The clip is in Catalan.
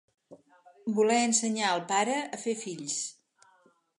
Voler ensenyar el pare a fer fills.